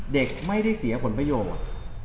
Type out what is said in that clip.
เด็กไม่ได้เสียผลประโยชน์